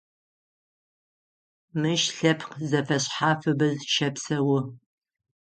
Мыщ лъэпкъ зэфэшъхьафыбэ щэпсэу.